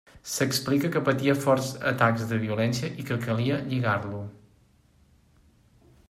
S'explica que patia forts atacs de violència i que calia lligar-lo.